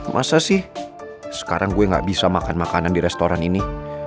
masa sih sekarang gue gak bisa makan makanan di restoran ini